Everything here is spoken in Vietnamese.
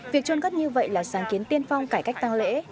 việc trôn cất như vậy là sáng kiến tiên phong cải cách tăng lễ